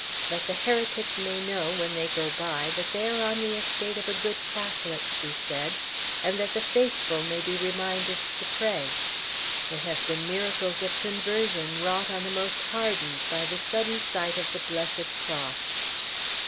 "That the heretics may know, when they go by, that they are on the estate of a good Catholic," she said, "and that the faithful may be reminded to pray. There have been miracles of conversion wrought on the most hardened by a sudden sight of the Blessed Cross."